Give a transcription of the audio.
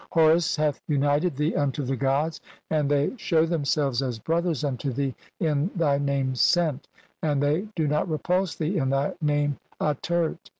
Horus hath united thee unto the gods, "and they shew themselves as brothers unto thee in "thy name Sent, and they do not repulse thee in thy "name Atert.